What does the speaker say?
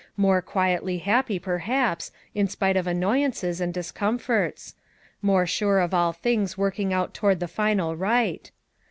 More quietly happy perhaps, in spite of annoyances and discomforts; more sure of all things working out toward the final right.